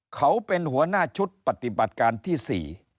เขาเป็นหัวหน้าชุดปฏิบัติการที่๔